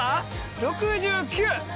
６９！